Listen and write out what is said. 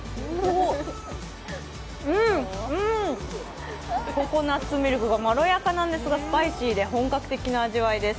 うん、うん、ココナッツミルクがまろやかなんですがスパイシーで本格的な味わいです。